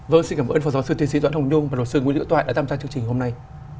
vâng xin cảm ơn phó giáo sư tiến sĩ doãn hồng nhung và luật sư nguyễn hữu toại đã tham gia chương trình hôm nay